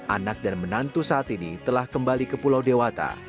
anak dan menantu saat ini telah kembali ke pulau dewata